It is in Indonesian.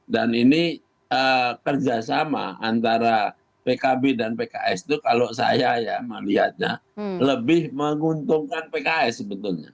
dan ini kerjasama antara pkb dan pks itu kalau saya ya melihatnya lebih menguntungkan pks sebetulnya